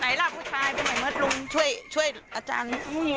ไหนล่ะผู้ชายทำไมลูกช่วยอาจารย์